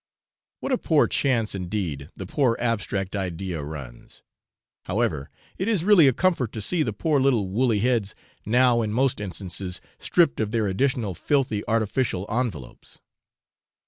What a poor chance, indeed, the poor abstract idea runs! however, it is really a comfort to see the poor little woolly heads, now in most instances stripped of their additional filthy artificial envelopes.